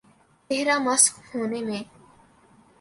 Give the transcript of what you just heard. چہر ہ مسخ ہونے میں۔